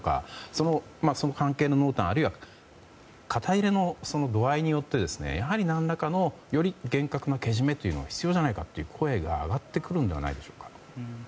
その関係の濃淡あるいは肩入れの度合いによってやはり何らかのより厳格なけじめというのが必要じゃないかという声が上がってくるのではないでしょうか。